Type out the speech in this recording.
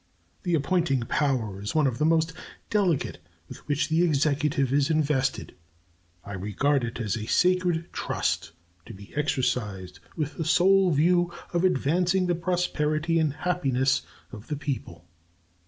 The appointing power is one of the most delicate with which the Executive is invested. I regard it as a sacred trust, to be exercised with the sole view of advancing the prosperity and happiness of the people.